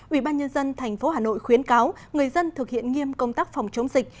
ubnd thành phố hà nội khuyến cáo người dân thực hiện nghiêm công tác phòng chống dịch